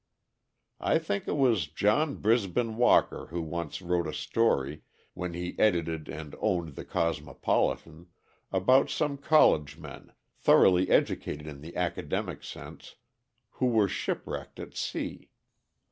I think it was John Brisbane Walker who once wrote a story, when he edited and owned the Cosmopolitan, about some college men, thoroughly educated in the academic sense, who were shipwrecked at sea.